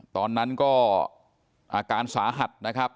ตอนนั้นก็อาการสาหัสนะครับ